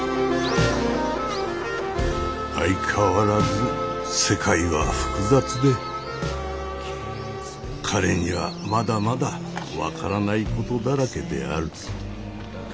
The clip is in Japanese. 相変わらず世界は複雑で彼にはまだまだ分からないことだらけである。